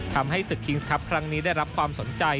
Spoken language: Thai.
ทำให้ศึกฟุตบอลชิงถ้าครั้งนี้ได้รับความสนใจ